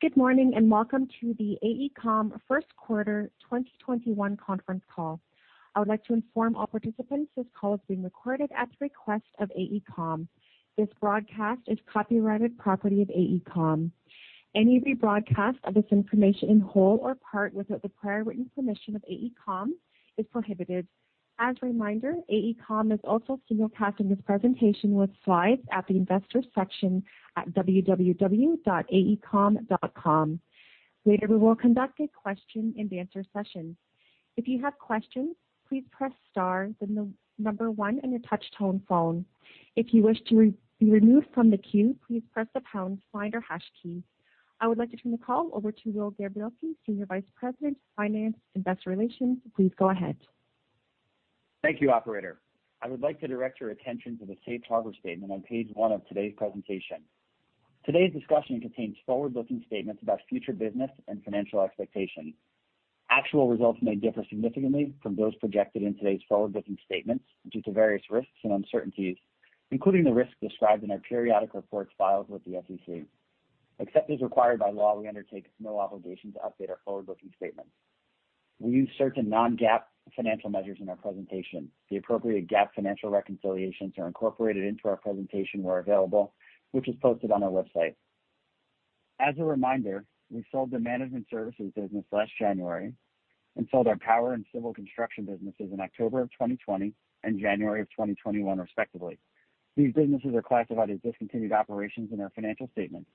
Good morning, and welcome to the AECOM first quarter 2021 conference call. I would like to inform all participants this call is being recorded at the request of AECOM. This broadcast is copyrighted property of AECOM. Any rebroadcast of this information in whole or part without the prior written permission of AECOM is prohibited. As a reminder, AECOM is also simulcasting this presentation with slides at the Investors section at www.aecom.com. Later, we will conduct a question-and-answer session. If you have questions, please press star, then the number one on your touchtone phone. If you wish to be removed from the queue, please press the pound sign or hash key. I would like to turn the call over to Will Gabrielski, Senior Vice President of Finance and Investor Relations. Please go ahead. Thank you, Operator. I would like to direct your attention to the safe harbor statement on page one of today's presentation. Today's discussion contains forward-looking statements about future business and financial expectations. Actual results may differ significantly from those projected in today's forward-looking statements due to various risks and uncertainties, including the risks described in our periodic reports filed with the SEC. Except as required by law, we undertake no obligation to update our forward-looking statements. We use certain non-GAAP financial measures in our presentation. The appropriate GAAP financial reconciliations are incorporated into our presentation where available, which is posted on our website. As a reminder, we sold the management services business last January and sold our power and civil construction businesses in October of 2020 and January of 2021, respectively. These businesses are classified as discontinued operations in our financial statements.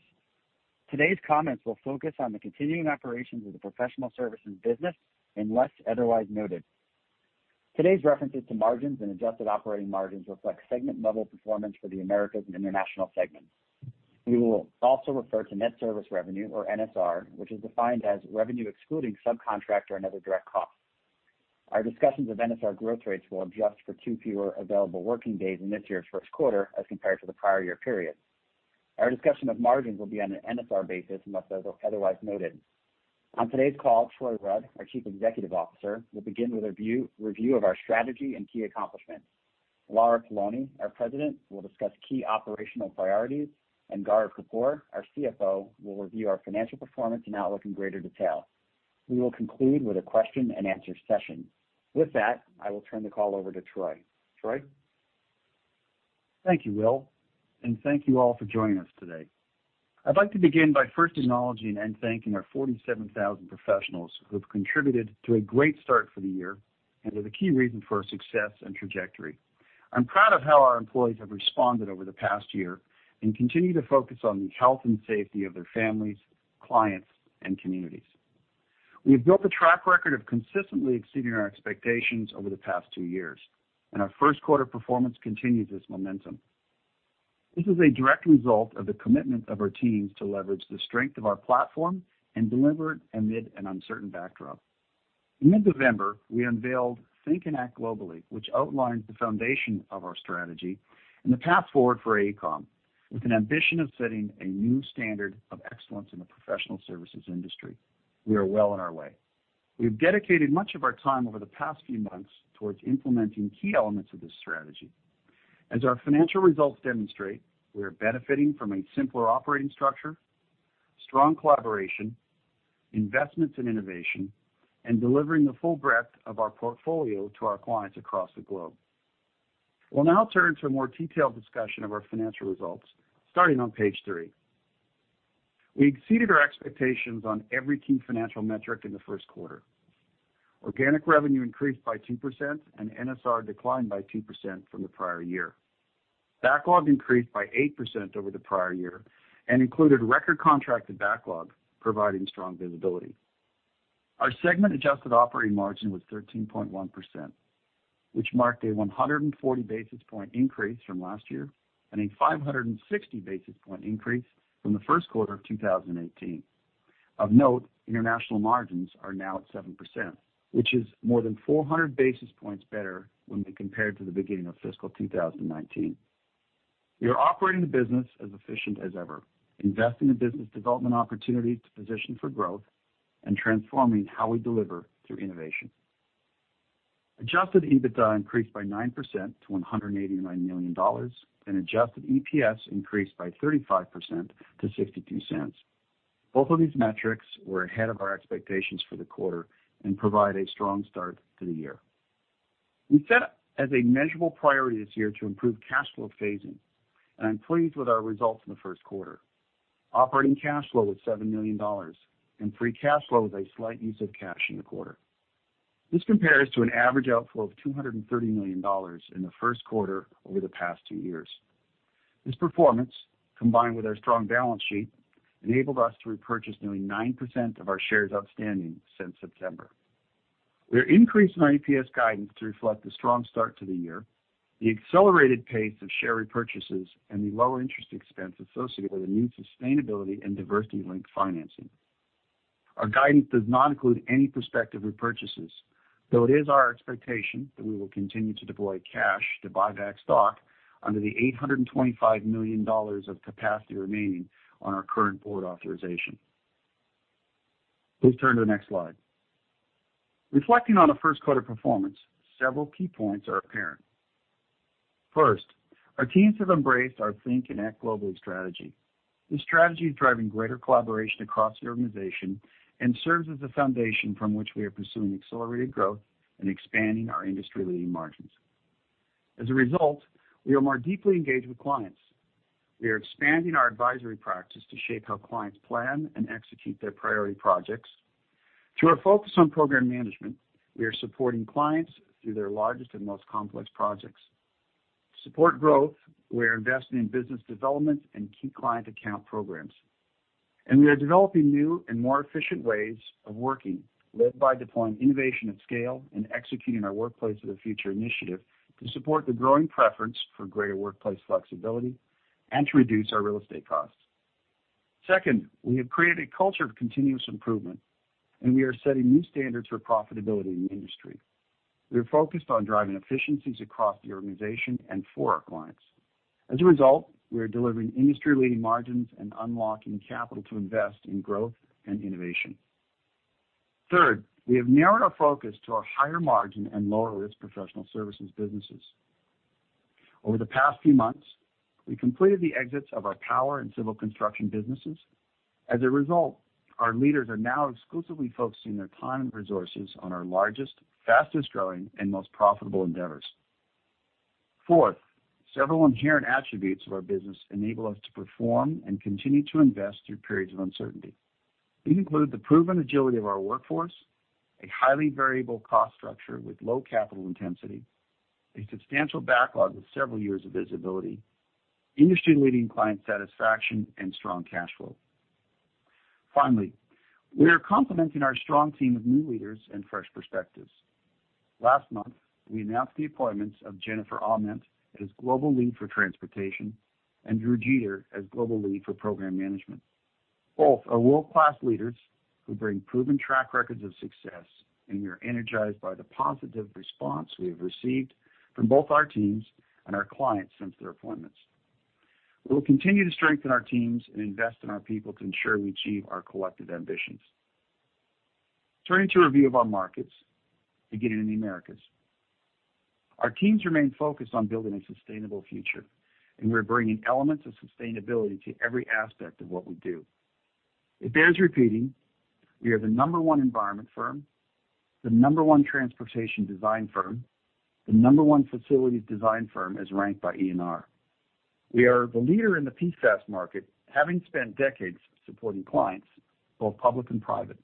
Today's comments will focus on the continuing operations of the professional services business unless otherwise noted. Today's references to margins and adjusted operating margins reflect segment-level performance for the Americas and International segments. We will also refer to Net Service Revenue, or NSR, which is defined as revenue excluding subcontractor and other direct costs. Our discussions of NSR growth rates will adjust for two fewer available working days in this year's first quarter as compared to the prior year period. Our discussion of margins will be on an NSR basis unless otherwise noted. On today's call, Troy Rudd, our Chief Executive Officer, will begin with a review of our strategy and key accomplishments. Lara Poloni, our President, will discuss key operational priorities, and Gaurav Kapoor, our CFO, will review our financial performance and outlook in greater detail. We will conclude with a question-and-answer session. With that, I will turn the call over to Troy. Troy? Thank you, Will, and thank you all for joining us today. I'd like to begin by first acknowledging and thanking our 47,000 professionals who have contributed to a great start for the year and are the key reason for our success and trajectory. I'm proud of how our employees have responded over the past year and continue to focus on the health and safety of their families, clients, and communities. We have built a track record of consistently exceeding our expectations over the past two years, and our first quarter performance continues this momentum. This is a direct result of the commitment of our teams to leverage the strength of our platform and deliver it amid an uncertain backdrop. In mid-November, we unveiled Think and Act Globally, which outlines the foundation of our strategy and the path forward for AECOM with an ambition of setting a new standard of excellence in the professional services industry. We are well on our way. We have dedicated much of our time over the past few months towards implementing key elements of this strategy. As our financial results demonstrate, we are benefiting from a simpler operating structure, strong collaboration, investments in innovation, and delivering the full breadth of our portfolio to our clients across the globe. We'll now turn to a more detailed discussion of our financial results, starting on page three. We exceeded our expectations on every key financial metric in the first quarter. Organic revenue increased by 2% and NSR declined by 2% from the prior year. Backlog increased by 8% over the prior year and included record contracted backlog, providing strong visibility. Our segment adjusted operating margin was 13.1%, which marked a 140 basis point increase from last year and a 560 basis point increase from the first quarter of 2018. Of note, international margins are now at 7%, which is more than 400 basis points better when we compare to the beginning of fiscal 2019. We are operating the business as efficient as ever, investing in business development opportunities to position for growth, and transforming how we deliver through innovation. Adjusted EBITDA increased by 9% to $189 million, and adjusted EPS increased by 35% to $0.62. Both of these metrics were ahead of our expectations for the quarter and provide a strong start to the year. We set as a measurable priority this year to improve cash flow phasing, and I'm pleased with our results in the first quarter. Operating cash flow was $7 million, and free cash flow was a slight use of cash in the quarter. This compares to an average outflow of $230 million in the first quarter over the past two years. This performance, combined with our strong balance sheet, enabled us to repurchase nearly 9% of our shares outstanding since September. We are increasing our EPS guidance to reflect the strong start to the year, the accelerated pace of share repurchases, and the lower interest expense associated with the new sustainability and diversity-linked financing. Our guidance does not include any prospective repurchases, though it is our expectation that we will continue to deploy cash to buy back stock under the $825 million of capacity remaining on our current board authorization. Please turn to the next slide. Reflecting on our first quarter performance, several key points are apparent. First, our teams have embraced our Think and Act Globally strategy. This strategy is driving greater collaboration across the organization and serves as the foundation from which we are pursuing accelerated growth and expanding our industry-leading margins. As a result, we are more deeply engaged with clients. We are expanding our advisory practice to shape how clients plan and execute their priority projects. Through our focus on program management, we are supporting clients through their largest and most complex projects. To support growth, we are investing in business development and key client account programs. We are developing new and more efficient ways of working, led by deploying innovation at scale and executing our Workplace of the Future initiative to support the growing preference for greater workplace flexibility and to reduce our real estate costs. Second, we have created a culture of continuous improvement, and we are setting new standards for profitability in the industry. We are focused on driving efficiencies across the organization and for our clients. As a result, we are delivering industry-leading margins and unlocking capital to invest in growth and innovation. Third, we have narrowed our focus to our higher margin and lower risk professional services businesses. Over the past few months, we completed the exits of our power and civil construction businesses. As a result, our leaders are now exclusively focusing their time and resources on our largest, fastest-growing, and most profitable endeavors. Fourth, several inherent attributes of our business enable us to perform and continue to invest through periods of uncertainty. These include the proven agility of our workforce, a highly variable cost structure with low capital intensity, a substantial backlog with several years of visibility, industry-leading client satisfaction, and strong cash flow. Finally, we are complementing our strong team of new leaders and fresh perspectives. Last month, we announced the appointments of Jennifer Aument as Global Lead for Transportation and Drew Jeter as Global Lead for Program Management. Both are world-class leaders who bring proven track records of success, and we are energized by the positive response we have received from both our teams and our clients since their appointments. We will continue to strengthen our teams and invest in our people to ensure we achieve our collective ambitions. Turning to a review of our markets, beginning in the Americas. Our teams remain focused on building a sustainable future, and we are bringing elements of sustainability to every aspect of what we do. It bears repeating, we are the number one environment firm, the number one transportation design firm, the number one facilities design firm as ranked by ENR. We are the leader in the PFAS market, having spent decades supporting clients, both public and private.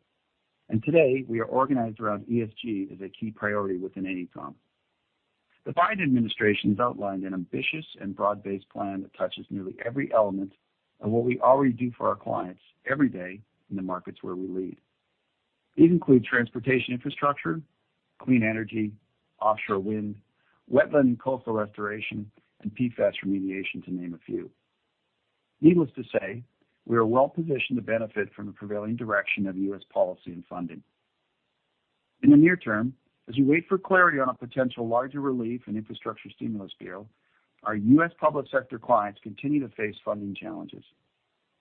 Today, we are organized around ESG as a key priority within AECOM. The Biden administration has outlined an ambitious and broad-based plan that touches nearly every element of what we already do for our clients every day in the markets where we lead. These include transportation infrastructure, clean energy, offshore wind, wetland and coastal restoration, and PFAS remediation, to name a few. Needless to say, we are well-positioned to benefit from the prevailing direction of U.S. policy and funding. In the near term, as we wait for clarity on a potential larger relief and infrastructure stimulus bill, our U.S. public sector clients continue to face funding challenges.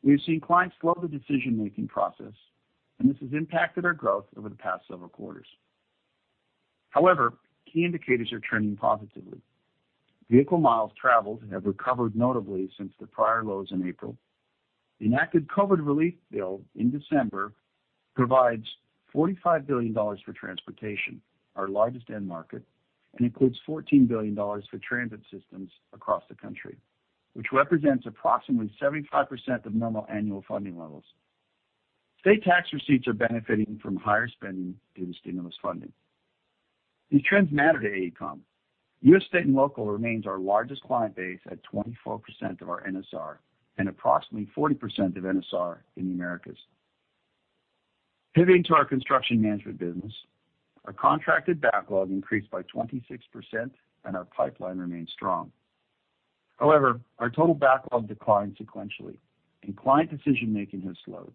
We have seen clients slow the decision-making process, and this has impacted our growth over the past several quarters. Key indicators are trending positively. Vehicle miles traveled have recovered notably since their prior lows in April. The enacted COVID relief bill in December provides $45 billion for transportation, our largest end market, and includes $14 billion for transit systems across the country, which represents approximately 75% of normal annual funding levels. State tax receipts are benefiting from higher spending due to stimulus funding. These trends matter to AECOM. U.S. state and local remains our largest client base at 24% of our NSR and approximately 40% of NSR in the Americas. Pivoting to our construction management business, our contracted backlog increased by 26%, and our pipeline remains strong. However, our total backlog declined sequentially, and client decision-making has slowed.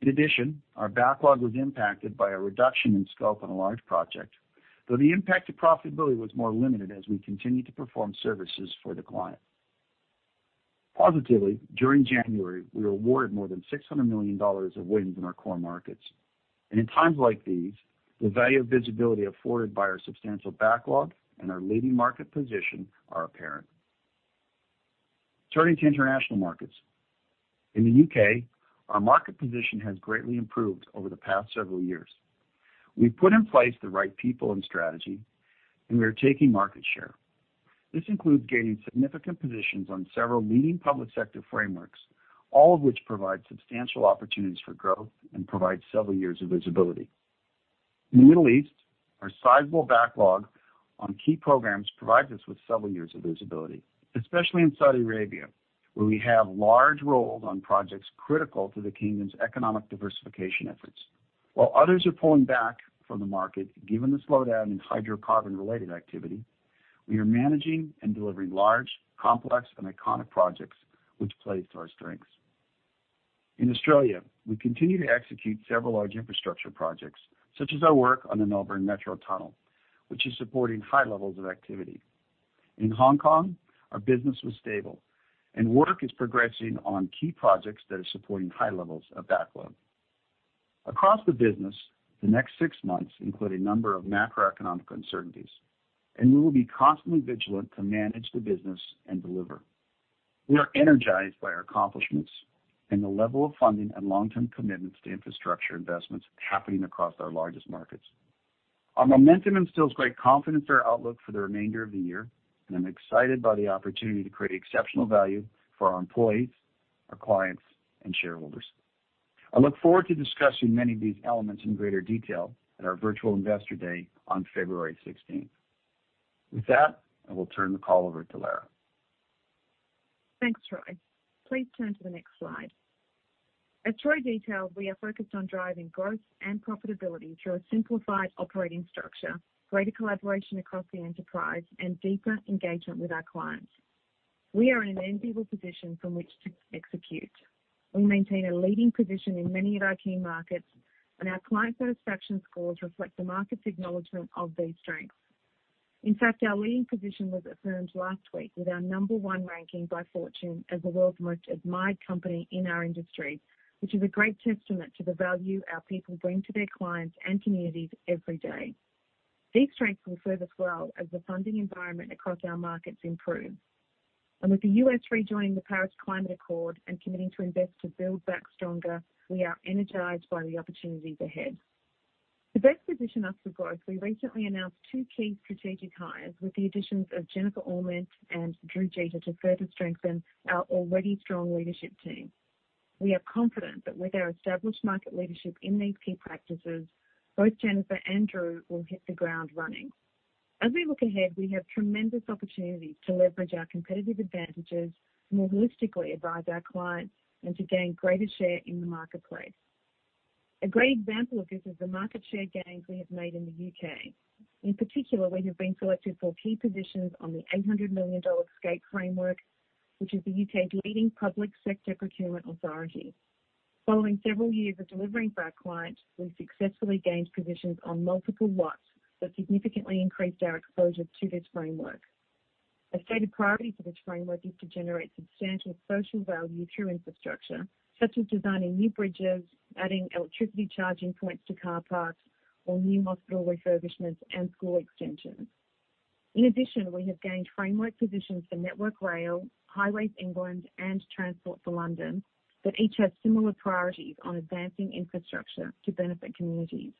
In addition, our backlog was impacted by a reduction in scope on a large project, though the impact to profitability was more limited as we continued to perform services for the client. Positively, during January, we were awarded more than $600 million of wins in our core markets. In times like these, the value of visibility afforded by our substantial backlog and our leading market position are apparent. Turning to international markets. In the U.K., our market position has greatly improved over the past several years. We've put in place the right people and strategy, and we are taking market share. This includes gaining significant positions on several leading public sector frameworks, all of which provide substantial opportunities for growth and provide several years of visibility. In the Middle East, our sizable backlog on key programs provides us with several years of visibility, especially in Saudi Arabia, where we have large roles on projects critical to the kingdom's economic diversification efforts. While others are pulling back from the market, given the slowdown in hydrocarbon-related activity, we are managing and delivering large, complex, and iconic projects, which plays to our strengths. In Australia, we continue to execute several large infrastructure projects, such as our work on the Melbourne Metro Tunnel, which is supporting high levels of activity. In Hong Kong, our business was stable and work is progressing on key projects that are supporting high levels of backlog. Across the business, the next six months include a number of macroeconomic uncertainties, and we will be constantly vigilant to manage the business and deliver. We are energized by our accomplishments and the level of funding and long-term commitments to infrastructure investments happening across our largest markets. Our momentum instills great confidence in our outlook for the remainder of the year. I'm excited by the opportunity to create exceptional value for our employees, our clients, and shareholders. I look forward to discussing many of these elements in greater detail at our virtual Investor Day on February 16th. With that, I will turn the call over to Lara. Thanks, Troy. Please turn to the next slide. As Troy detailed, we are focused on driving growth and profitability through a simplified operating structure, greater collaboration across the enterprise, and deeper engagement with our clients. We are in an enviable position from which to execute. We maintain a leading position in many of our key markets, and our client satisfaction scores reflect the market's acknowledgment of these strengths. In fact, our leading position was affirmed last week with our number one ranking by Fortune as the World's Most Admired Company in our industry, which is a great testament to the value our people bring to their clients and communities every day. These strengths will serve us well as the funding environment across our markets improves. With the U.S. rejoining the Paris Agreement and committing to invest to build back stronger, we are energized by the opportunities ahead. To best position us for growth, we recently announced two key strategic hires with the additions of Jennifer Aument and Drew Jeter to further strengthen our already strong leadership team. We are confident that with our established market leadership in these key practices, both Jennifer and Drew will hit the ground running. We look ahead, we have tremendous opportunities to leverage our competitive advantages to more holistically advise our clients and to gain greater share in the marketplace. A great example of this is the market share gains we have made in the U.K. We have been selected for key positions on the $800 million Scape framework, which is the U.K.'s leading public sector procurement authority. Following several years of delivering for our clients, we successfully gained positions on multiple lots that significantly increased our exposure to this framework. A stated priority for this framework is to generate substantial social value through infrastructure, such as designing new bridges, adding electricity charging points to car parks or new hospital refurbishments and school extensions. In addition, we have gained framework positions for Network Rail, Highways England, and Transport for London that each have similar priorities on advancing infrastructure to benefit communities.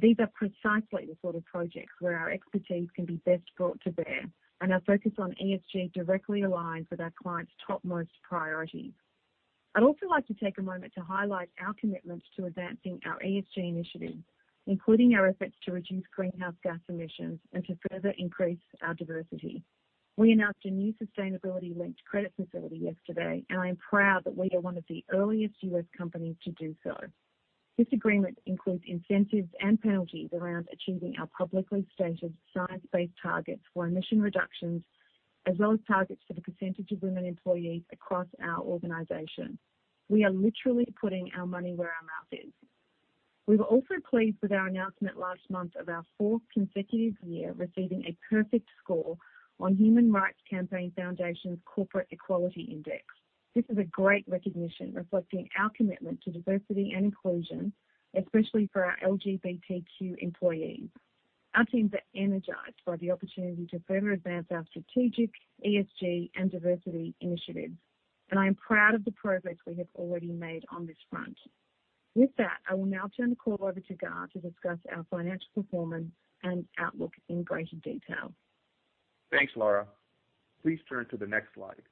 These are precisely the sort of projects where our expertise can be best brought to bear, and our focus on ESG directly aligns with our clients' topmost priorities. I'd also like to take a moment to highlight our commitment to advancing our ESG initiatives, including our efforts to reduce greenhouse gas emissions and to further increase our diversity. I am proud that we are one of the earliest U.S. companies to do so. This agreement includes incentives and penalties around achieving our publicly stated science-based targets for emission reductions, as well as targets for the percentage of women employees across our organization. We are literally putting our money where our mouth is. We were also pleased with our announcement last month of our fourth consecutive year receiving a perfect score on Human Rights Campaign Foundation's Corporate Equality Index. This is a great recognition reflecting our commitment to diversity and inclusion, especially for our LGBTQ employees. Our teams are energized by the opportunity to further advance our strategic ESG and diversity initiatives, and I am proud of the progress we have already made on this front. With that, I will now turn the call over to Gaurav to discuss our financial performance and outlook in greater detail. Thanks, Lara. Please turn to the next slide.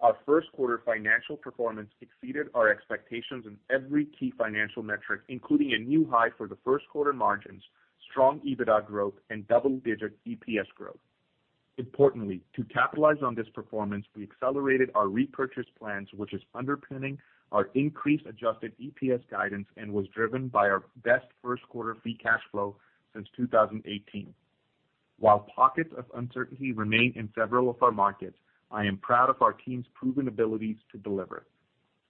Our first quarter financial performance exceeded our expectations in every key financial metric, including a new high for the first quarter margins, strong EBITDA growth, and double-digit EPS growth. To capitalize on this performance, we accelerated our repurchase plans, which is underpinning our increased adjusted EPS guidance and was driven by our best first quarter free cash flow since 2018. While pockets of uncertainty remain in several of our markets, I am proud of our team's proven abilities to deliver.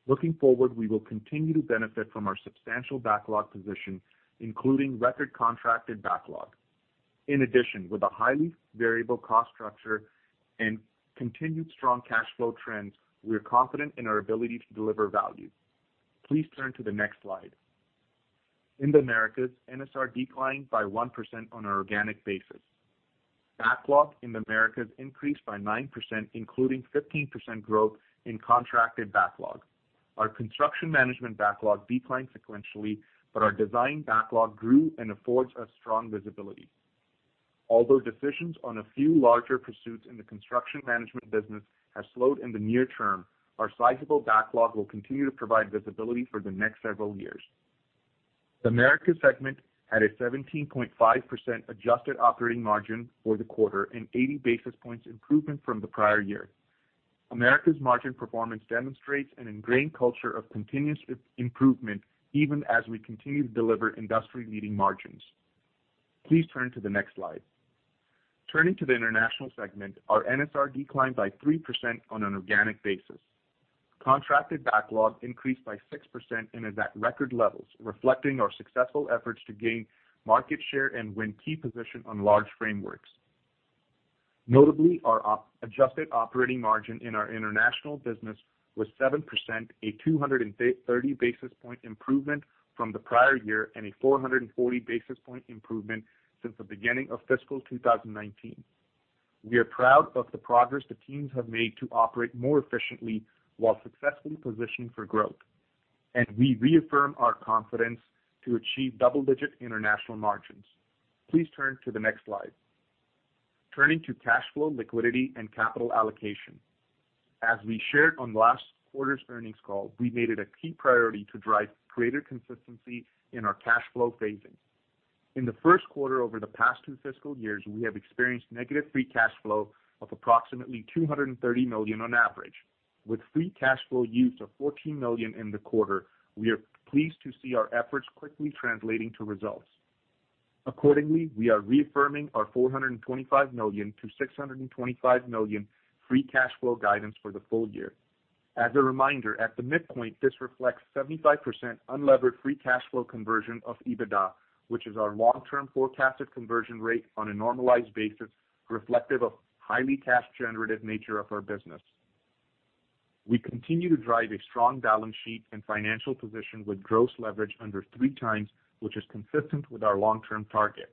Looking forward, we will continue to benefit from our substantial backlog position, including record contracted backlog. With a highly variable cost structure and continued strong cash flow trends, we are confident in our ability to deliver value. Please turn to the next slide. In the Americas, NSR declined by 1% on an organic basis. Backlog in the Americas increased by 9%, including 15% growth in contracted backlog. Our construction management backlog declined sequentially, but our design backlog grew and affords us strong visibility. Although decisions on a few larger pursuits in the construction management business have slowed in the near term, our sizable backlog will continue to provide visibility for the next several years. The Americas segment had a 17.5% adjusted operating margin for the quarter, an 80 basis points improvement from the prior year. Americas' margin performance demonstrates an ingrained culture of continuous improvement even as we continue to deliver industry-leading margins. Please turn to the next slide. Turning to the International segment, our NSR declined by 3% on an organic basis. Contracted backlog increased by 6% and is at record levels, reflecting our successful efforts to gain market share and win key position on large frameworks. Notably, our adjusted operating margin in our international business was 7%, a 230 basis point improvement from the prior year and a 440 basis point improvement since the beginning of fiscal 2019. We are proud of the progress the teams have made to operate more efficiently while successfully positioning for growth, and we reaffirm our confidence to achieve double-digit international margins. Please turn to the next slide. Turning to cash flow liquidity and capital allocation. As we shared on last quarter's earnings call, we made it a key priority to drive greater consistency in our cash flow phasing. In the first quarter, over the past two fiscal years, we have experienced negative free cash flow of approximately $230 million on average. With free cash flow use of $14 million in the quarter, we are pleased to see our efforts quickly translating to results. Accordingly, we are reaffirming our $425 million-$625 million free cash flow guidance for the full year. As a reminder, at the midpoint, this reflects 75% unlevered free cash flow conversion of EBITDA, which is our long-term forecasted conversion rate on a normalized basis, reflective of highly cash generative nature of our business. We continue to drive a strong balance sheet and financial position with gross leverage under 3 times, which is consistent with our long-term target.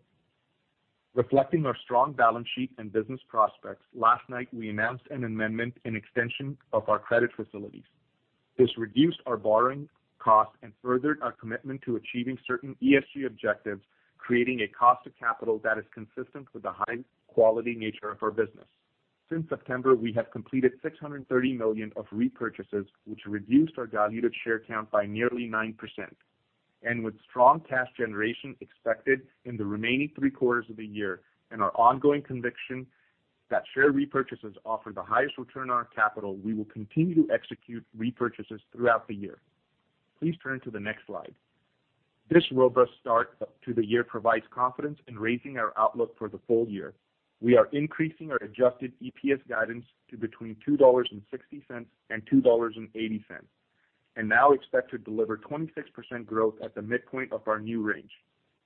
Reflecting our strong balance sheet and business prospects, last night, we announced an amendment and extension of our credit facilities. This reduced our borrowing cost and furthered our commitment to achieving certain ESG objectives, creating a cost of capital that is consistent with the high-quality nature of our business. Since September, we have completed $630 million of repurchases, which reduced our diluted share count by nearly 9%. With strong cash generation expected in the remaining three quarters of the year and our ongoing conviction that share repurchases offer the highest return on capital, we will continue to execute repurchases throughout the year. Please turn to the next slide. This robust start to the year provides confidence in raising our outlook for the full year. We are increasing our adjusted EPS guidance to between $2.60 and $2.80. Now expect to deliver 26% growth at the midpoint of our new range.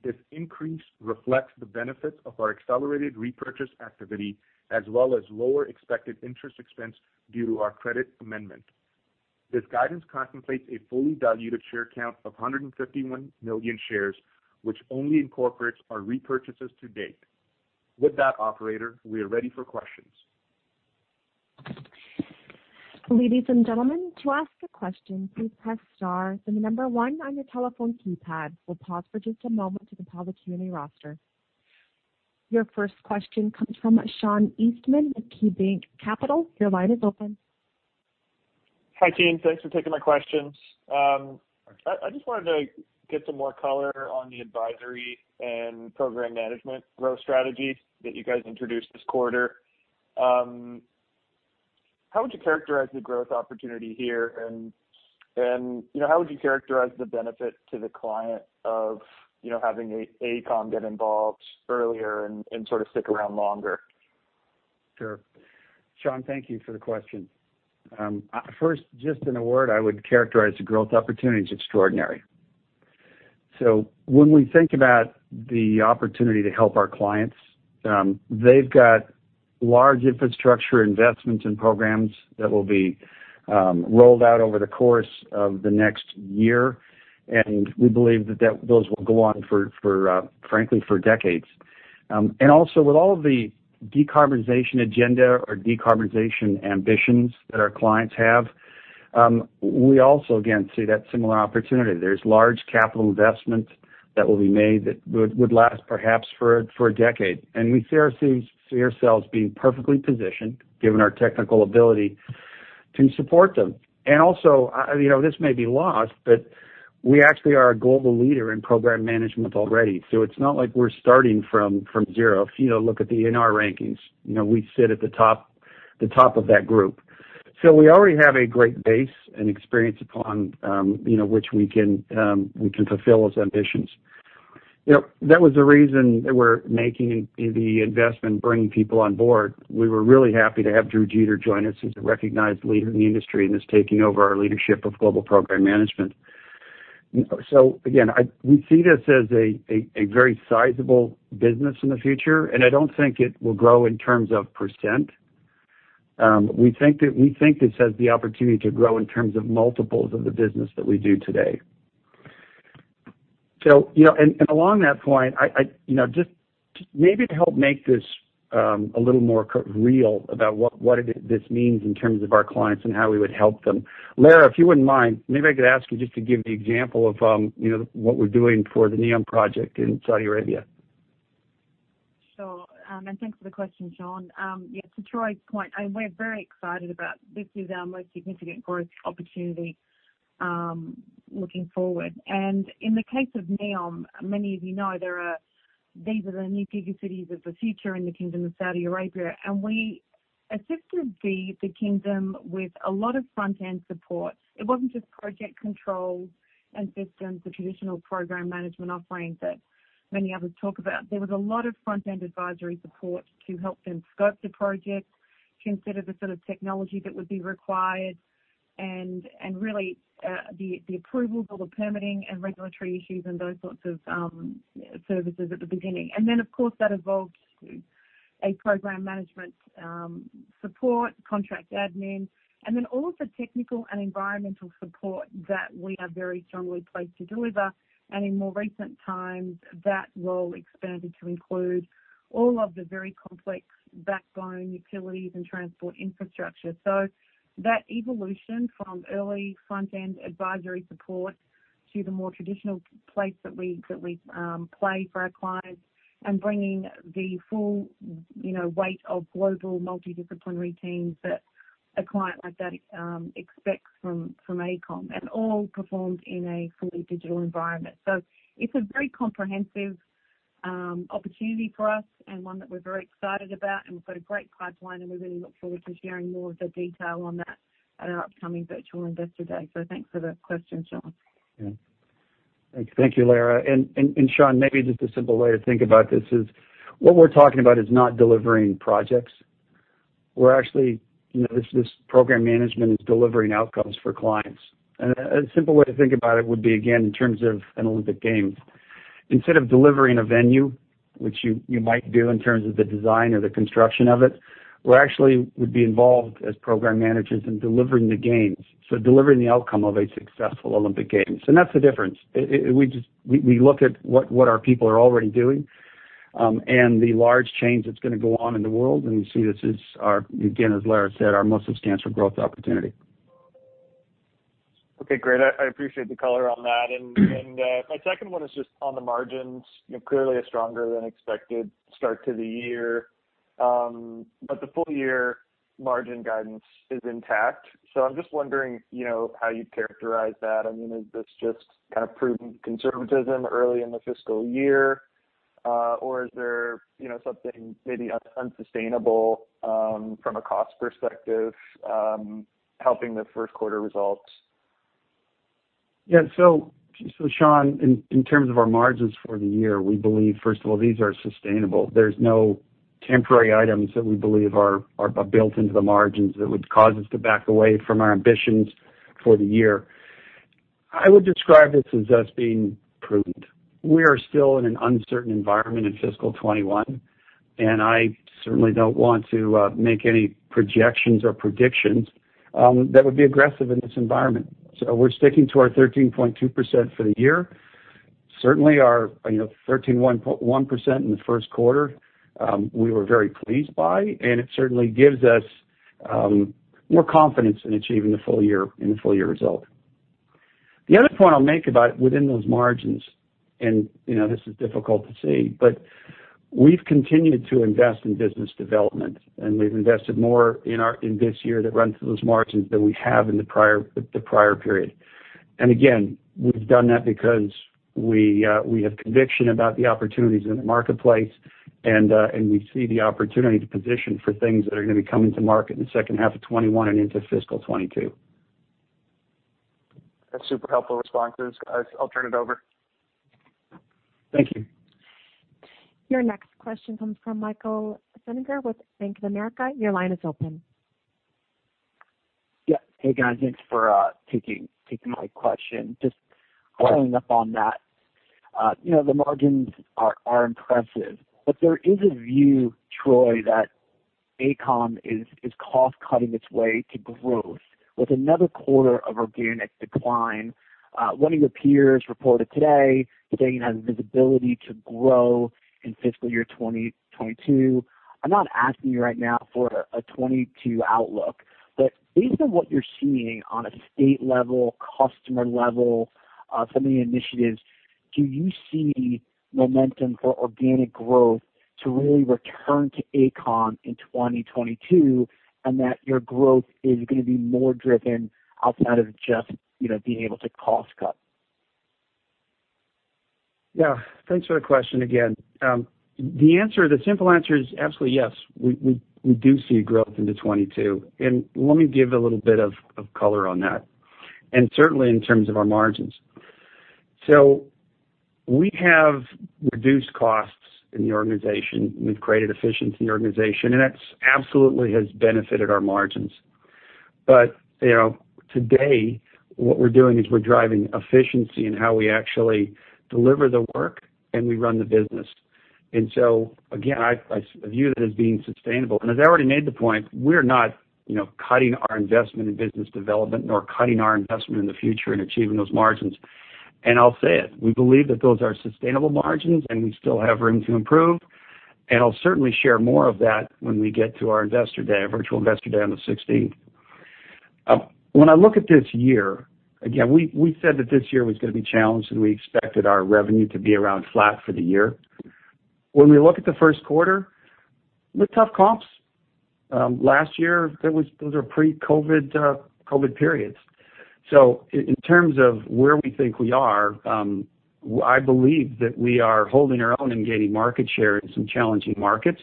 This increase reflects the benefits of our accelerated repurchase activity, as well as lower expected interest expense due to our credit amendment. This guidance contemplates a fully diluted share count of 151 million shares, which only incorporates our repurchases to date. With that, Operator, we are ready for questions. Ladies and gentlemen, to ask a question, please press star then the number one on your telephone keypad. We'll pause for just a moment to compile the Q&A roster. Your first question comes from Sean Eastman with KeyBanc Capital. Your line is open. Hi, team. Thanks for taking my questions. I just wanted to get some more color on the advisory and program management growth strategy that you guys introduced this quarter. How would you characterize the growth opportunity here? How would you characterize the benefit to the client of having AECOM get involved earlier and sort of stick around longer? Sure. Sean, thank you for the question. First, just in a word, I would characterize the growth opportunity as extraordinary. When we think about the opportunity to help our clients, they've got large infrastructure investments and programs that will be rolled out over the course of the next year, we believe that those will go on, frankly, for decades. Also with all of the decarbonization agenda or decarbonization ambitions that our clients have, we also again see that similar opportunity. There's large capital investments that will be made that would last perhaps for a decade. We see ourselves being perfectly positioned, given our technical ability, to support them. Also, this may be lost, we actually are a global leader in program management already. It's not like we're starting from zero. If you look at the ENR rankings, we sit at the top of that group. We already have a great base and experience upon which we can fulfill those ambitions. That was the reason that we're making the investment, bringing people on board. We were really happy to have Drew Jeter join us as a recognized leader in the industry and is taking over our leadership of Global Program Management. Again, we see this as a very sizable business in the future, and I don't think it will grow in terms of percent. We think this has the opportunity to grow in terms of multiples of the business that we do today. Along that point, just maybe to help make this a little more real about what this means in terms of our clients and how we would help them. Lara, if you wouldn't mind, maybe I could ask you just to give the example of what we're doing for the NEOM project in Saudi Arabia. Sure. Thanks for the question, Sean. Yeah, to Troy's point, we're very excited about this is our most significant growth opportunity looking forward. In the case of NEOM, many of you know these are the new bigger cities of the future in the Kingdom of Saudi Arabia. We assisted the kingdom with a lot of front-end support. It wasn't just project controls and systems, the traditional program management offerings that many others talk about. There was a lot of front-end advisory support to help them scope the projects, consider the sort of technology that would be required. Really, the approvals or the permitting and regulatory issues and those sorts of services at the beginning. Of course, that evolved to a program management support, contract admin, all of the technical and environmental support that we are very strongly placed to deliver. In more recent times, that role expanded to include all of the very complex backbone utilities and transport infrastructure. That evolution from early front-end advisory support to the more traditional place that we play for our clients and bringing the full weight of global multidisciplinary teams that a client like that expects from AECOM, and all performed in a fully digital environment. It's a very comprehensive opportunity for us and one that we're very excited about, and we've got a great pipeline, and we really look forward to sharing more of the detail on that at our upcoming virtual investor day. Thanks for the question, Sean. Thank you, Lara. Sean, maybe just a simple way to think about this is what we're talking about is not delivering projects. This program management is delivering outcomes for clients. A simple way to think about it would be, again, in terms of an Olympic Games. Instead of delivering a venue, which you might do in terms of the design or the construction of it, we actually would be involved as program managers in delivering the games. Delivering the outcome of a successful Olympic Games. That's the difference. We look at what our people are already doing, and the large change that's going to go on in the world, and you see this is our, again, as Lara said, our most substantial growth opportunity. Okay, great. I appreciate the color on that. My second one is just on the margins. Clearly a stronger than expected start to the year. The full year margin guidance is intact. I'm just wondering how you'd characterize that. I mean, is this just kind of prudent conservatism early in the fiscal year? Or is there something maybe unsustainable, from a cost perspective, helping the first quarter results? Yeah. Sean, in terms of our margins for the year, we believe, first of all, these are sustainable. There's no temporary items that we believe are built into the margins that would cause us to back away from our ambitions for the year. I would describe this as us being prudent. We are still in an uncertain environment in fiscal 2021, and I certainly don't want to make any projections or predictions that would be aggressive in this environment. We're sticking to our 13.2% for the year. Certainly our 13.1% in the first quarter, we were very pleased by, and it certainly gives us more confidence in achieving the full year result. The other point I'll make about within those margins, and this is difficult to see, but we've continued to invest in business development, and we've invested more in this year that runs through those margins than we have in the prior period. Again, we've done that because we have conviction about the opportunities in the marketplace and we see the opportunity to position for things that are going to be coming to market in the second half of 2021 and into fiscal 2022. That's super helpful responses. I'll turn it over. Thank you. Your next question comes from Michael Feniger with Bank of America. Your line is open. Yeah. Hey, guys. Thanks for taking my question. Just following up on that. The margins are impressive. There is a view, Troy, that AECOM is cost-cutting its way to growth with another quarter of organic decline. One of your peers reported today that they have visibility to grow in fiscal year 2022. I'm not asking you right now for a 2022 outlook. Based on what you're seeing on a state level, customer level, some of the initiatives, do you see momentum for organic growth to really return to AECOM in 2022, and that your growth is going to be more driven outside of just being able to cost cut? Thanks for the question again. The simple answer is absolutely yes. We do see growth into 2022. Let me give a little bit of color on that, and certainly in terms of our margins. We have reduced costs in the organization. We've created efficiency in the organization, and that absolutely has benefited our margins. Today, what we're doing is we're driving efficiency in how we actually deliver the work and we run the business. Again, I view it as being sustainable. As I already made the point, we're not cutting our investment in business development nor cutting our investment in the future in achieving those margins. I'll say it, we believe that those are sustainable margins, and we still have room to improve, and I'll certainly share more of that when we get to our Investor Day, our virtual Investor Day on the 16th. When I look at this year, again, we said that this year was going to be challenged, and we expected our revenue to be around flat for the year. When we look at the first quarter, with tough comps, last year, those were pre-COVID periods. In terms of where we think we are, I believe that we are holding our own and gaining market share in some challenging markets.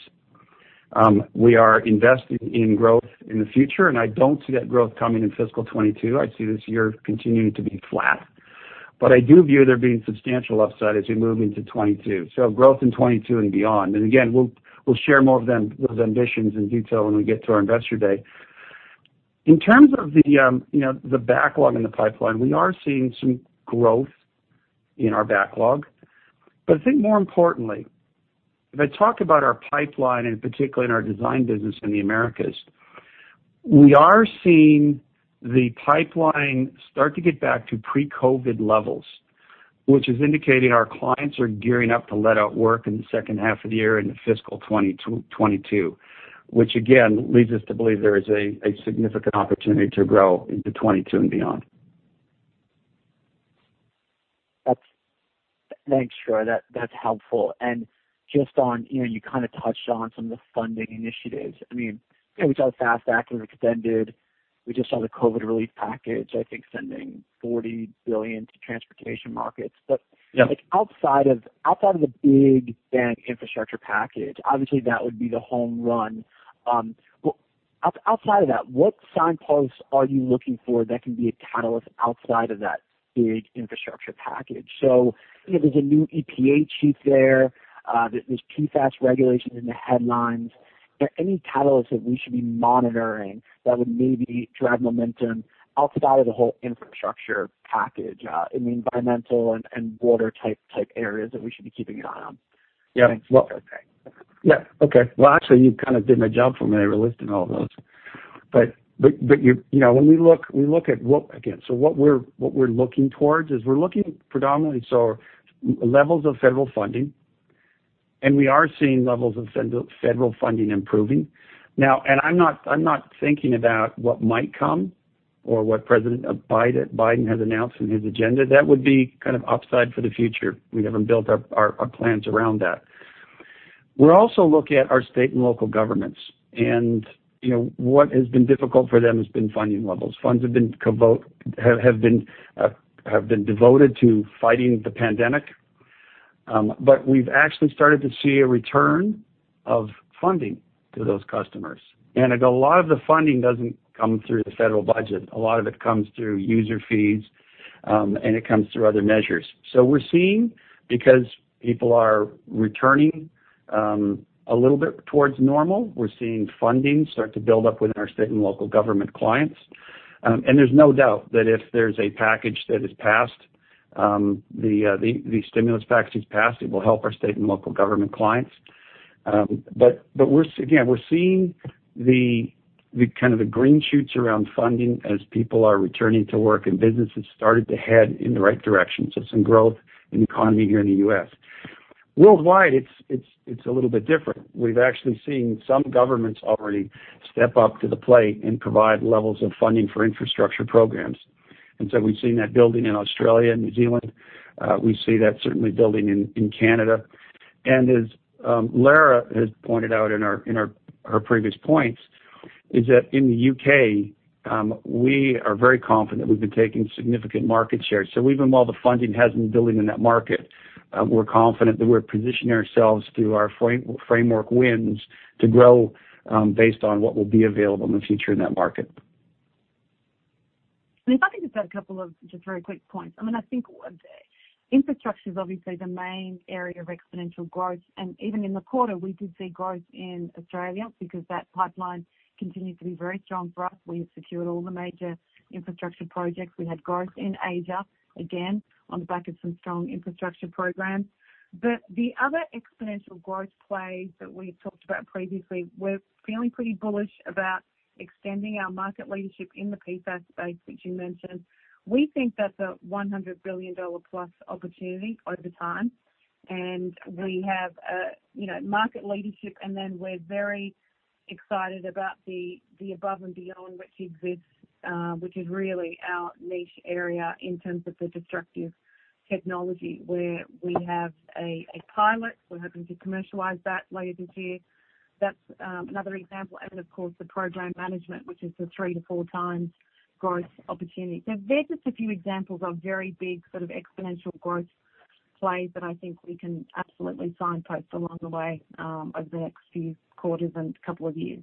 We are investing in growth in the future, and I don't see that growth coming in fiscal 2022. I see this year continuing to be flat. I do view there being substantial upside as we move into 2022. Growth in 2022 and beyond. Again, we'll share more of those ambitions in detail when we get to our Investor Day. In terms of the backlog in the pipeline, we are seeing some growth in our backlog. I think more importantly, if I talk about our pipeline and particularly in our design business in the Americas, we are seeing the pipeline start to get back to pre-COVID levels, which is indicating our clients are gearing up to let out work in the second half of the year in the fiscal 2022, which again, leads us to believe there is a significant opportunity to grow into 2022 and beyond. Thanks, Troy, that's helpful. Just on, you kind of touched on some of the funding initiatives. We saw the FAST Act was extended. We just saw the COVID relief package, I think, sending $40 billion to transportation markets. Yeah. Outside of the Biden infrastructure package, obviously that would be the home run. Outside of that, what signposts are you looking for that can be a catalyst outside of that Biden infrastructure package? There's a new EPA chief there. There's PFAS regulation in the headlines. Are there any catalysts that we should be monitoring that would maybe drive momentum outside of the whole infrastructure package, in the environmental and border type areas that we should be keeping an eye on? Yeah. Thanks. Yeah. Okay. Well, actually, you kind of did my job for me by listing all those. What we're looking towards is we're looking predominantly, levels of federal funding, and we are seeing levels of federal funding improving. I'm not thinking about what might come or what President Biden has announced in his agenda. That would be kind of upside for the future. We haven't built up our plans around that. We're also looking at our state and local governments, and what has been difficult for them has been funding levels. Funds have been devoted to fighting the pandemic. We've actually started to see a return of funding to those customers. A lot of the funding doesn't come through the federal budget. A lot of it comes through user fees, and it comes through other measures. We're seeing, because people are returning a little bit towards normal, we're seeing funding start to build up within our state and local government clients. There's no doubt that if there's a package that is passed, the stimulus package is passed, it will help our state and local government clients. Again, we're seeing the kind of the green shoots around funding as people are returning to work and businesses started to head in the right direction. Some growth in economy here in the U.S. Worldwide, it's a little bit different. We've actually seen some governments already step up to the plate and provide levels of funding for infrastructure programs. We've seen that building in Australia and New Zealand. We see that certainly building in Canada. As Lara has pointed out in her previous points, is that in the U.K., we are very confident we've been taking significant market share. Even while the funding hasn't been building in that market, we're confident that we're positioning ourselves through our framework wins to grow based on what will be available in the future in that market. If I can just add a couple of just very quick points. I think infrastructure is obviously the main area of exponential growth. Even in the quarter, we did see growth in Australia because that pipeline continued to be very strong for us. We've secured all the major infrastructure projects. We had growth in Asia, again, on the back of some strong infrastructure programs. The other exponential growth plays that we talked about previously, we're feeling pretty bullish about extending our market leadership in the PFAS space, which you mentioned. We think that's a $100+ billion opportunity over time, and we have market leadership, and then we're very excited about the above and beyond which exists, which is really our niche area in terms of the destructive technology, where we have a pilot. We're hoping to commercialize that later this year. That's another example. Of course, the program management, which is the three to four times growth opportunity. They're just a few examples of very big sort of exponential growth plays that I think we can absolutely signpost along the way over the next few quarters and couple of years.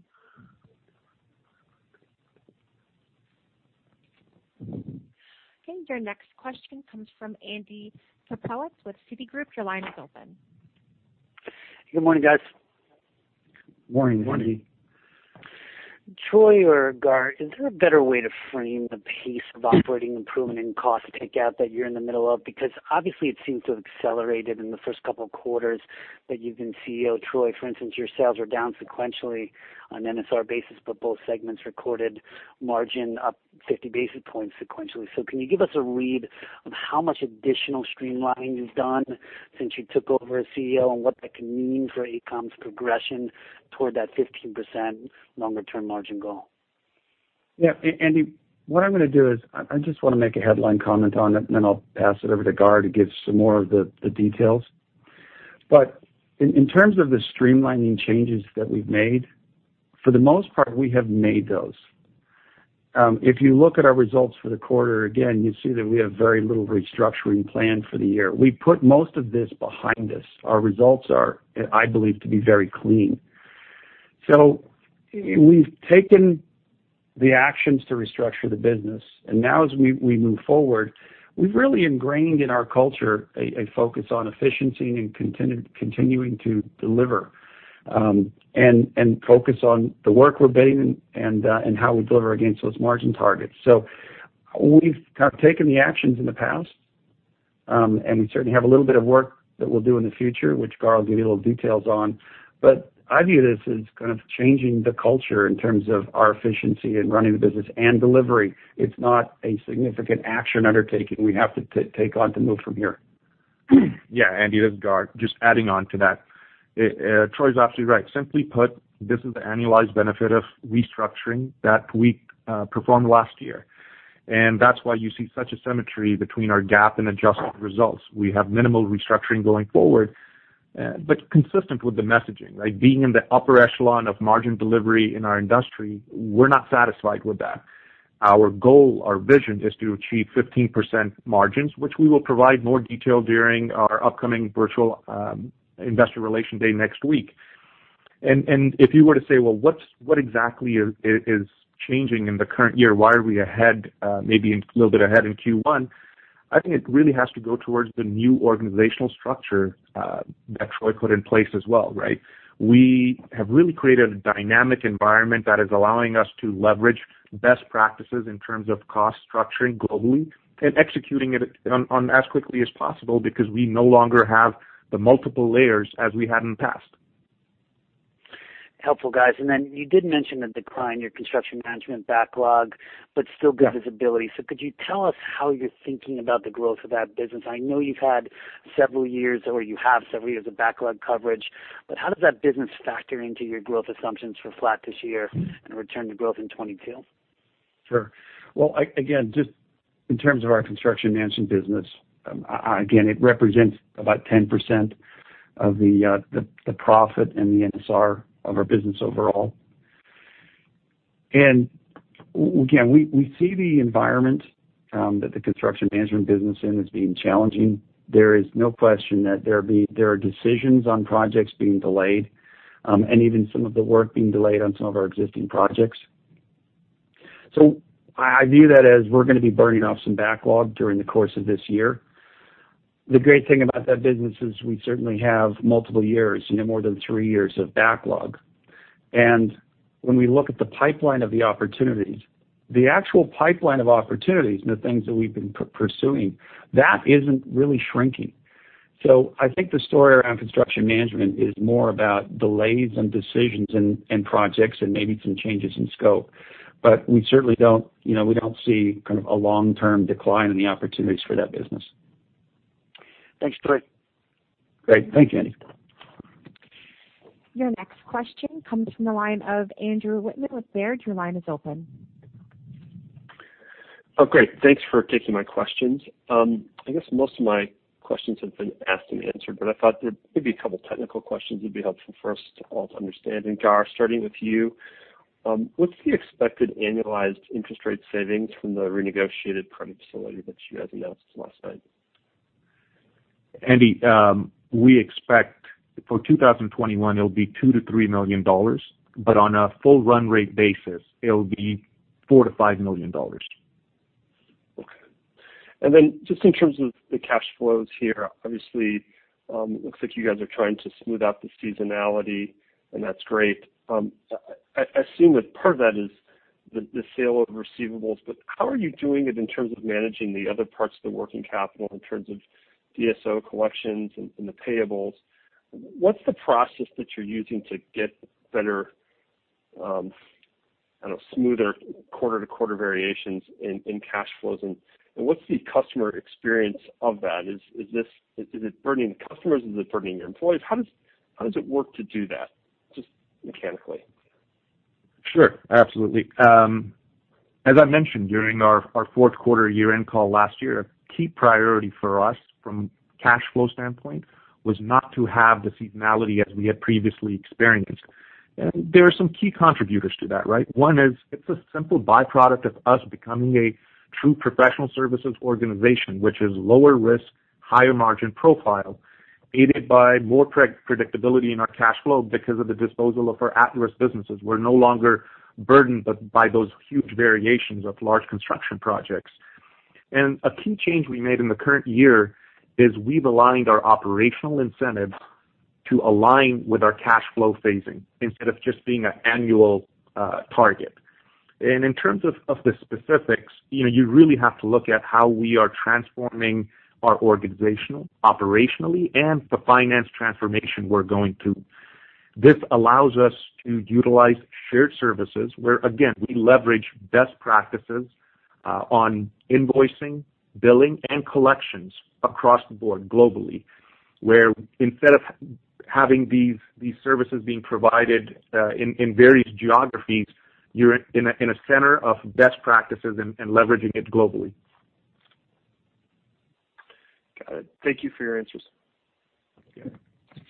Okay. Your next question comes from Andy Kaplowitz with Citigroup. Your line is open. Good morning, guys. Morning, Andy. Troy or Gaurav, is there a better way to frame the pace of operating improvement in cost takeout that you're in the middle of? Obviously it seems to have accelerated in the first couple of quarters that you've been CEO. Troy, for instance, your sales are down sequentially on NSR basis, but both segments recorded margin up 50 basis points sequentially. Can you give us a read on how much additional streamlining is done since you took over as CEO and what that can mean for AECOM's progression toward that 15% longer-term margin goal? Yeah. Andy, what I'm going to do is I just want to make a headline comment on it, then I'll pass it over to Gaurav to give some more of the details. In terms of the streamlining changes that we've made, for the most part, we have made those. If you look at our results for the quarter, again, you see that we have very little restructuring planned for the year. We put most of this behind us. Our results are, I believe, to be very clean. We've taken the actions to restructure the business, and now as we move forward, we've really ingrained in our culture a focus on efficiency and continuing to deliver, and focus on the work we're bidding and how we deliver against those margin targets. We've kind of taken the actions in the past, and we certainly have a little bit of work that we'll do in the future, which Gaurav will give you a little details on. But I view this as kind of changing the culture in terms of our efficiency in running the business and delivery. It's not a significant action undertaking we have to take on to move from here. Yeah, Andy, this is Gaurav, just adding on to that. Troy's absolutely right. Simply put, this is the annualized benefit of restructuring that we performed last year. That's why you see such a symmetry between our GAAP and adjusted results. We have minimal restructuring going forward. Consistent with the messaging, like being in the upper echelon of margin delivery in our industry, we're not satisfied with that. Our goal, our vision, is to achieve 15% margins, which we will provide more detail during our upcoming virtual investor relation day next week. If you were to say, Well, what exactly is changing in the current year? Why are we maybe a little bit ahead in Q1? I think it really has to go towards the new organizational structure that Troy put in place as well, right? We have really created a dynamic environment that is allowing us to leverage best practices in terms of cost structuring globally and executing it as quickly as possible because we no longer have the multiple layers as we had in the past. Helpful, guys. You did mention the decline in your construction management backlog, but still good visibility. Could you tell us how you're thinking about the growth of that business? I know you've had several years, or you have several years of backlog coverage, but how does that business factor into your growth assumptions for flat this year and a return to growth in 2022? Sure. Well, again, just in terms of our construction management business, again, it represents about 10% of the profit and the NSR of our business overall. Again, we see the environment that the construction management business in is being challenging. There is no question that there are decisions on projects being delayed, and even some of the work being delayed on some of our existing projects. I view that as we're going to be burning off some backlog during the course of this year. The great thing about that business is we certainly have multiple years, more than three years of backlog. When we look at the pipeline of the opportunities, the actual pipeline of opportunities and the things that we've been pursuing, that isn't really shrinking. I think the story around construction management is more about delays in decisions and projects and maybe some changes in scope. We certainly don't see a long-term decline in the opportunities for that business. Thanks, Troy. Great. Thank you, Andy. Your next question comes from the line of Andrew Wittmann with Baird. Your line is open. Oh, great. Thanks for taking my questions. I guess most of my questions have been asked and answered, but I thought there'd be a couple technical questions that'd be helpful for us all to understand. Gaurav, starting with you, what's the expected annualized interest rate savings from the renegotiated credit facility that you guys announced last night? Andrew, we expect for 2021, it'll be $2 million-$3 million, on a full run rate basis, it'll be $4 million-$5 million. Okay. Just in terms of the cash flows here, obviously, looks like you guys are trying to smooth out the seasonality, and that's great. I assume that part of that is the sale of receivables, how are you doing it in terms of managing the other parts of the working capital in terms of DSO collections and the payables? What's the process that you're using to get better, I don't know, smoother quarter-to-quarter variations in cash flows? What's the customer experience of that? Is it burdening the customers? Is it burdening your employees? How does it work to do that, just mechanically? Sure. Absolutely. As I mentioned during our fourth quarter year-end call last year, a key priority for us from a cash flow standpoint was not to have the seasonality as we had previously experienced. There are some key contributors to that, right? One is it's a simple byproduct of us becoming a true professional services organization, which is lower risk, higher margin profile, aided by more predictability in our cash flow because of the disposal of our at-risk businesses. We're no longer burdened by those huge variations of large construction projects. A key change we made in the current year is we've aligned our operational incentives to align with our cash flow phasing instead of just being an annual target. In terms of the specifics, you really have to look at how we are transforming our organizational operationally and the finance transformation we're going through. This allows us to utilize shared services where, again, we leverage best practices on invoicing, billing, and collections across the board globally. Instead of having these services being provided in various geographies, you're in a center of best practices and leveraging it globally. Got it. Thank you for your answers. Yeah. Thank you.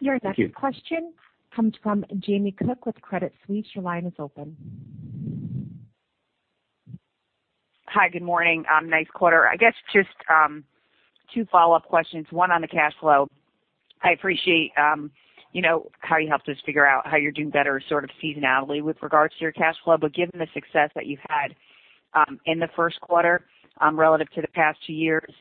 Your next question comes from Jamie Cook with Credit Suisse. Your line is open. Hi, good morning. Nice quarter. I guess just two follow-up questions, one on the cash flow. I appreciate how you helped us figure out how you're doing better sort of seasonality with regards to your cash flow. Given the success that you've had in the first quarter relative to the past two years,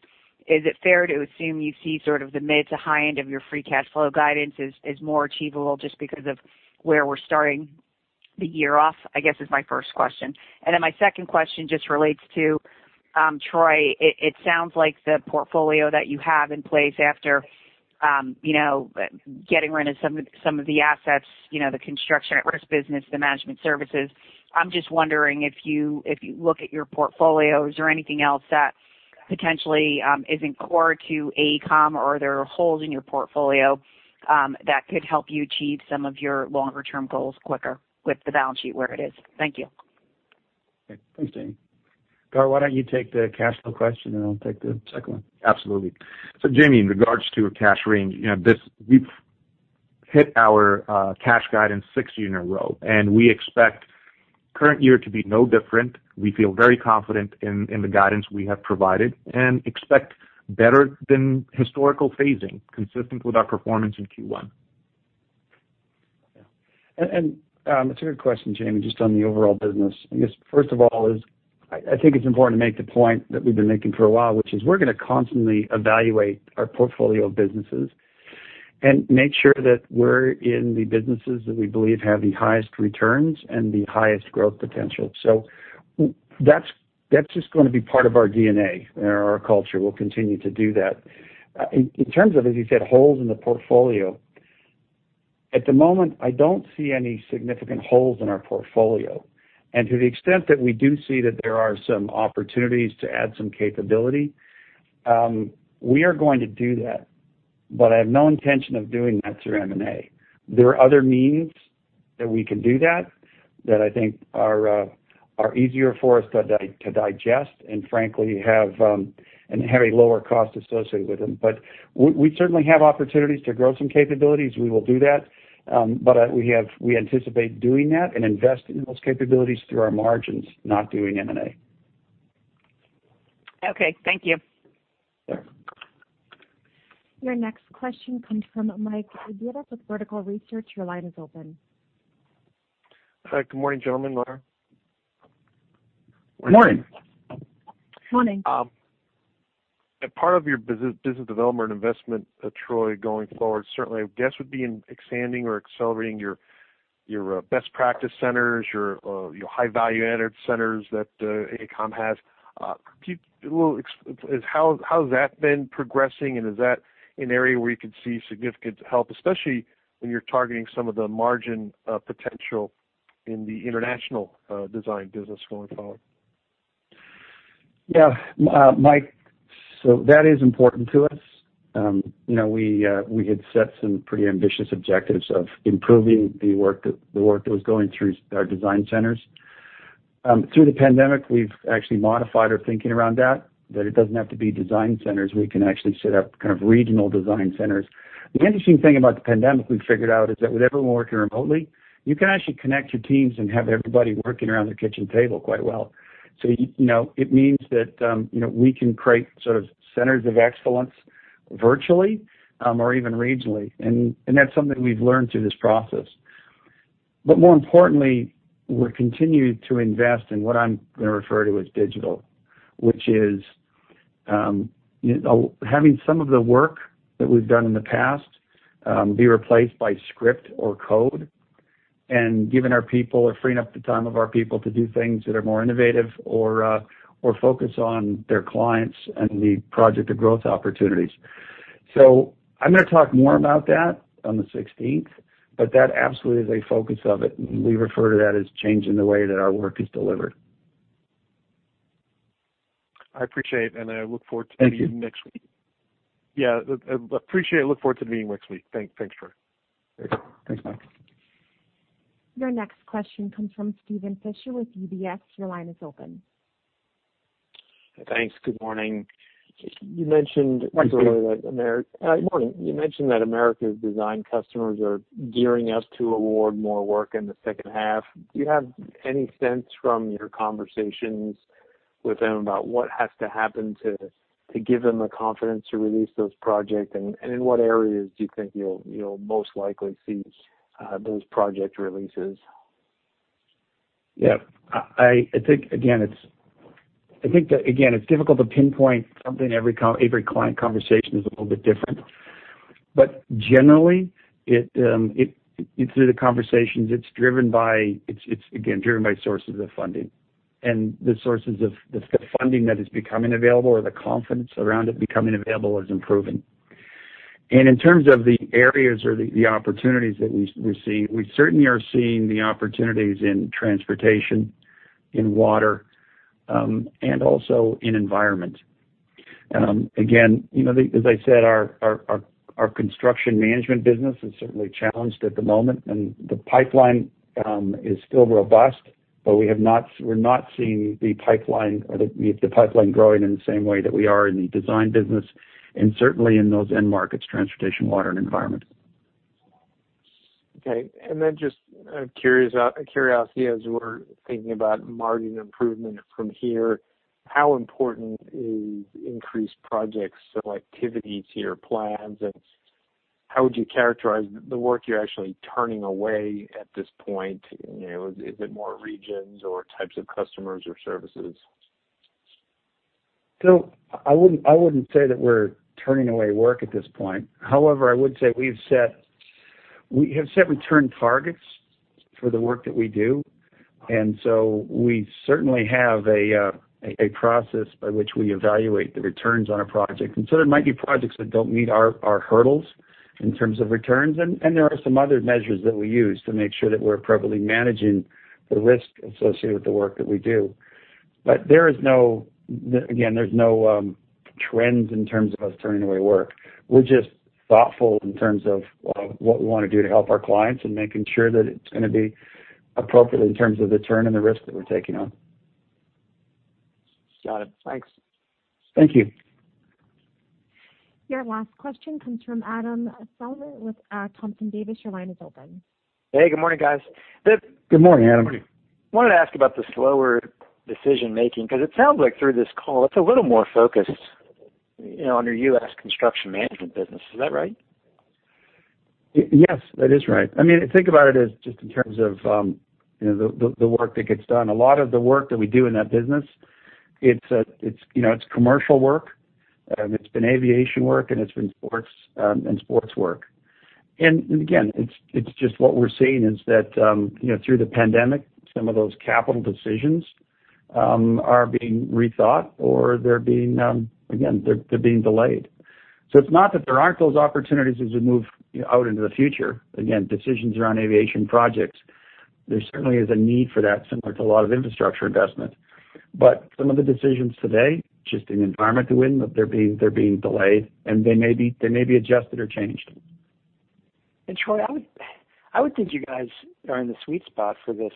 is it fair to assume you see sort of the mid to high end of your free cash flow guidance is more achievable just because of where we're starting the year off, I guess is my first question. My second question just relates to, Troy, it sounds like the portfolio that you have in place after getting rid of some of the assets, the construction at-risk business, the management services. I'm just wondering if you look at your portfolio, is there anything else that potentially is in core to AECOM, or are there holes in your portfolio that could help you achieve some of your longer-term goals quicker with the balance sheet where it is? Thank you. Okay. Thanks, Jamie. Gaurav, why don't you take the cash flow question, and I'll take the second one. Absolutely. Jamie, in regards to a cash range, we've hit our cash guidance six years in a row, and we expect current year to be no different. We feel very confident in the guidance we have provided, and expect better than historical phasing consistent with our performance in Q1. Yeah. It's a good question, Jamie, just on the overall business. I guess first of all is, I think it's important to make the point that we've been making for a while, which is we're going to constantly evaluate our portfolio of businesses and make sure that we're in the businesses that we believe have the highest returns and the highest growth potential. That's just going to be part of our DNA and our culture. We'll continue to do that. In terms of, as you said, holes in the portfolio, at the moment, I don't see any significant holes in our portfolio. To the extent that we do see that there are some opportunities to add some capability, we are going to do that. I have no intention of doing that through M&A. There are other means that we can do that I think are easier for us to digest and frankly have a very lower cost associated with them. We certainly have opportunities to grow some capabilities. We will do that. We anticipate doing that and investing in those capabilities through our margins, not doing M&A. Okay. Thank you. Sure. Your next question comes from Mike Abietar with Vertical Research. Your line is open. Hi. Good morning, gentlemen. Morning. Morning. Part of your business development investment, Troy, going forward, certainly I guess would be in expanding or accelerating your best practice centers, your high value-added centers that AECOM has. How has that been progressing, and is that an area where you could see significant help, especially when you're targeting some of the margin potential in the international design business going forward? Mike, that is important to us. We had set some pretty ambitious objectives of improving the work that was going through our design centers. Through the pandemic, we've actually modified our thinking around that it doesn't have to be design centers. We can actually set up kind of regional design centers. The interesting thing about the pandemic we've figured out is that with everyone working remotely, you can actually connect your teams and have everybody working around their kitchen table quite well. It means that we can create sort of centers of excellence virtually or even regionally. That's something we've learned through this process. More importantly, we're continuing to invest in what I'm going to refer to as digital, which is having some of the work that we've done in the past be replaced by script or code, and giving our people or freeing up the time of our people to do things that are more innovative or focus on their clients and the project or growth opportunities. So I'm going to talk more about that on the 16th, but that absolutely is a focus of it, and we refer to that as changing the way that our work is delivered. I appreciate it, and I look forward to meeting next week. Thank you. Yeah. Appreciate it. Look forward to the meeting next week. Thanks, Troy. Thanks, Mike. Your next question comes from Steven Fisher with UBS. Your line is open. Thanks. Good morning. Good morning. You mentioned that Americas design customers are gearing up to award more work in the second half. Do you have any sense from your conversations with them about what has to happen to give them the confidence to release those projects? In what areas do you think you'll most likely see those project releases? Yeah. I think, again, it's difficult to pinpoint something. Every client conversation is a little bit different. Generally, through the conversations, it's, again, driven by sources of funding. The sources of the funding that is becoming available or the confidence around it becoming available is improving. In terms of the areas or the opportunities that we see, we certainly are seeing the opportunities in transportation, in water, and also in environment. Again, as I said, our construction management business is certainly challenged at the moment, and the pipeline is still robust, but we're not seeing the pipeline growing in the same way that we are in the design business and certainly in those end markets, transportation, water, and environment. Okay. Just a curiosity as we're thinking about margin improvement from here, how important is increased project selectivities to your plans, and how would you characterize the work you're actually turning away at this point? Is it more regions or types of customers or services? I wouldn't say that we're turning away work at this point. However, I would say we have set return targets for the work that we do, we certainly have a process by which we evaluate the returns on a project. There might be projects that don't meet our hurdles in terms of returns, and there are some other measures that we use to make sure that we're appropriately managing the risk associated with the work that we do. There is no trends in terms of us turning away work. We're just thoughtful in terms of what we want to do to help our clients and making sure that it's going to be appropriate in terms of the return and the risk that we're taking on. Got it. Thanks. Thank you. Your last question comes from Adam Selver with Thompson Davis. Your line is open. Hey, good morning, guys. Good morning, Adam. Wanted to ask about the slower decision-making, because it sounds like through this call, it's a little more focused on your U.S. construction management business. Is that right? Yes, that is right. Think about it as just in terms of the work that gets done. A lot of the work that we do in that business, it's commercial work, it's been aviation work, and it's been sports work. Again, it's just what we're seeing is that through the pandemic, some of those capital decisions are being rethought or they're being delayed. It's not that there aren't those opportunities as we move out into the future. Again, decisions around aviation projects, there certainly is a need for that, similar to a lot of infrastructure investment. Some of the decisions today, just in the environment we're in, they're being delayed, and they may be adjusted or changed. Troy, I would think you guys are in the sweet spot for this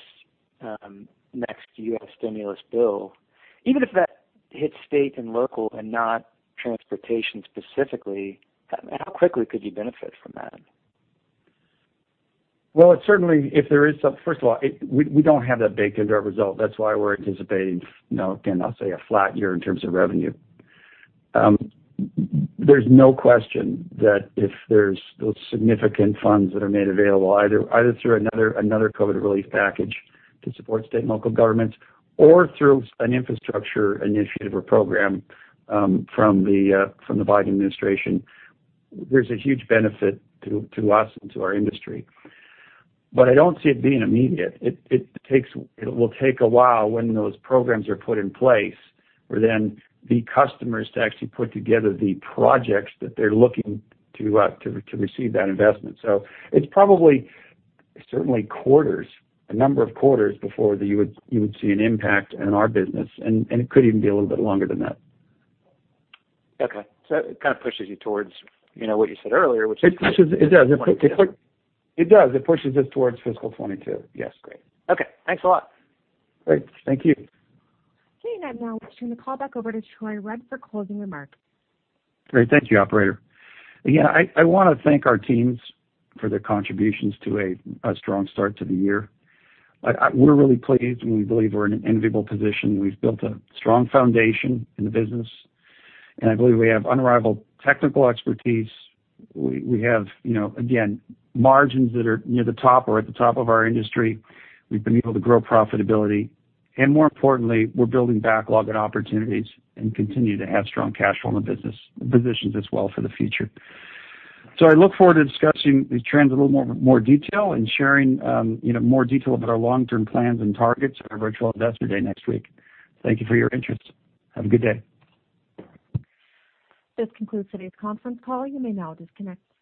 next U.S. stimulus bill. Even if that hits state and local and not transportation specifically, how quickly could you benefit from that? First of all, we don't have that baked into our result. That's why we're anticipating, again, I'll say a flat year in terms of revenue. There's no question that if there's those significant funds that are made available, either through another COVID relief package to support state and local governments or through an infrastructure initiative or program from the Biden administration, there's a huge benefit to us and to our industry. I don't see it being immediate. It will take a while when those programs are put in place for then the customers to actually put together the projects that they're looking to receive that investment. It's probably certainly quarters, a number of quarters before you would see an impact in our business, and it could even be a little bit longer than that. Okay. It kind of pushes you towards what you said earlier, which is- It does. It pushes us towards fiscal 2022. Yes. Great. Okay. Thanks a lot. Great. Thank you. Okay. I'd now like to turn the call back over to Troy Rudd for closing remarks. Great. Thank you, Operator. I want to thank our teams for their contributions to a strong start to the year. We're really pleased, and we believe we're in an enviable position. We've built a strong foundation in the business, and I believe we have unrivaled technical expertise. We have, again, margins that are near the top or at the top of our industry. We've been able to grow profitability, and more importantly, we're building backlog and opportunities and continue to have strong cash flow in the business positions as well for the future. I look forward to discussing these trends in a little more detail and sharing more detail about our long-term plans and targets at our virtual Investor Day next week. Thank you for your interest. Have a good day. This concludes today's conference call. You may now disconnect.